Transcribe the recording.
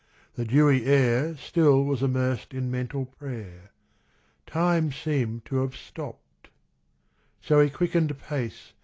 The dewy air Still was immersed in mental prayer. Time seemed to have stopped. So he quickened pace.